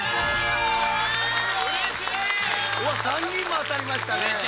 ３人も当たりましたね。